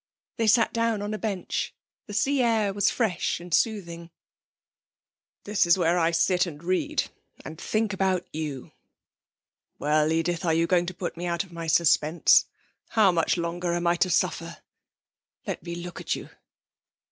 They sat down on a bench. The sea air was fresh and soothing. 'This is where I sit and read and think about you. Well, Edith, are you going to put me out of my suspense? How much longer am I to suffer? Let me look at you.'